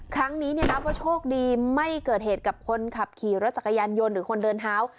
ครั้งนี้นับว่าโชคดีไม่เกิดเหตุกับคนขับขี่รถจักรยานยนต์หรือคนเดินเท้า